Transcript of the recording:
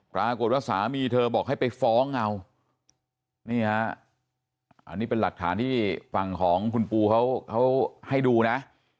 ปรากฏว่าสามีเธอบอกให้ไปฟ้องเอานี่ฮะอันนี้เป็นหลักฐานที่ฝั่งของคุณปูเขาให้ดูนะ